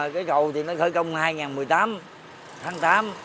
cây cầu thì nó khởi công năm hai nghìn một mươi tám tháng tám